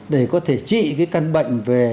để có thể trị cái căn bệnh về